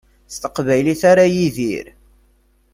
S teqbaylit ara yidir.